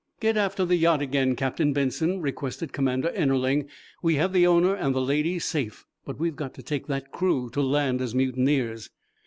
"Get after the yacht again, Captain Benson," requested Commander Ennerling. "We have the owner and the ladies safe, but we've got to take that crew to land as mutineers."